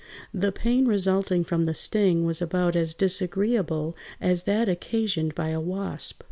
The pain resulting from the sting was about as disagreeable as that occasioned by a wasp.